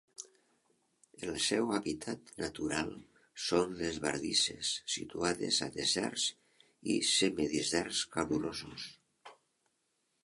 El seu hàbitat natural són les bardisses situades a deserts i semideserts calorosos.